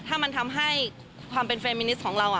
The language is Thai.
ถ้ามันทำให้ความเป็นเฟรมินิสของเรา